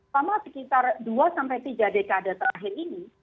sama sekitar dua sampai tiga dekade terakhir ini